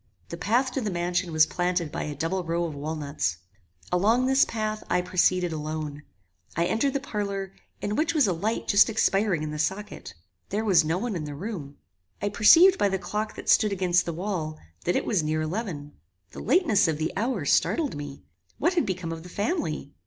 The path to the mansion was planted by a double row of walnuts. Along this path I proceeded alone. I entered the parlour, in which was a light just expiring in the socket. There was no one in the room. I perceived by the clock that stood against the wall, that it was near eleven. The lateness of the hour startled me. What had become of the family?